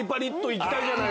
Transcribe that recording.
いきたいの。